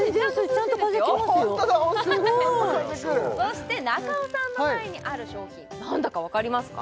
ちゃんと風くるそして中尾さんの前にある商品何だかわかりますか？